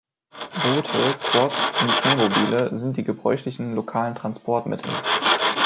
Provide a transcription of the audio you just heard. Boote, Quads und Schneemobile sind die gebräuchlichen lokalen Transportmittel.